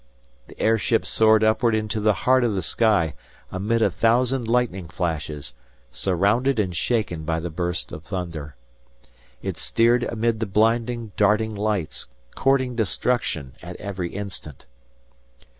The air ship soared upward into the heart of the sky, amid a thousand lightning flashes, surrounded and shaken by the bursts of thunder. It steered amid the blinding, darting lights, courting destruction at every instant.